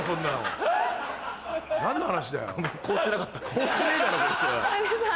凍ってねえだろこいつ。